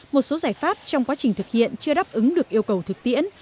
một số giải pháp trong quá trình thực hiện chưa đáp ứng được yêu cầu thực tiễn